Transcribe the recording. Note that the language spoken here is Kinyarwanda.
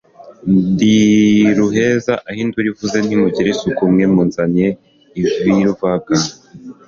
ndi ruheza aho induru ivuze, ntimugira isuku mwe munzaniye irivaruganda!